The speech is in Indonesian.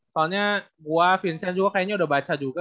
soalnya gua vincenya juga kayaknya udah baca juga